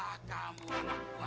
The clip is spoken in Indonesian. saya punya usul